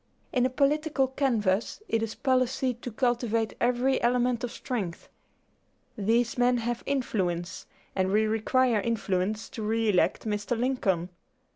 "In a political canvass it is policy to cultivate every element of strength. These men have influence, and we require influence to re elect Mr. Lincoln.